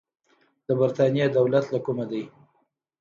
د برتانیې دولت له کومه دی.